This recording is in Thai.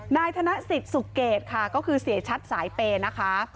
ธนสิทธิ์สุเกตค่ะก็คือเสียชัดสายเปย์นะคะ